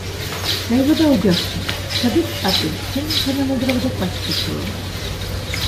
დაიბადა ოჯახში, სადაც პატივს სცემენ თანამედროვე და კლასიკურ ხელოვნებას.